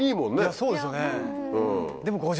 そうですよね。